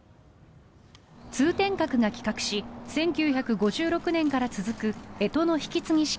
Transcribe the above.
通天閣が企画し１９５６年から続く干支の引き継ぎ式。